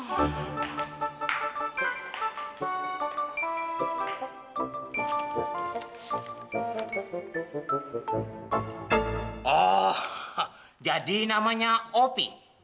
oh jadi namanya op